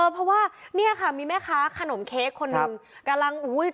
เพราะว่ามีแม่ค้าขนมเค้กคนหนึ่ง